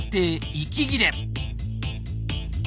「息切れ」。